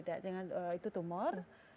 sudah beda itu tumor